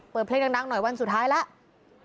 เปิดเพลงดังหน่อยวันสุดท้ายแล้ว